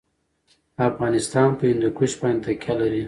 افغانستان په هندوکش باندې تکیه لري.